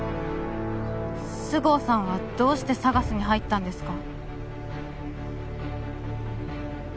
菅生さんはどうしてＳＡＧＡＳに入ったんですか？